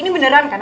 ini beneran kan